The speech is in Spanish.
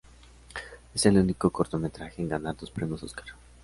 Es el único cortometraje en ganar dos Premios Óscar.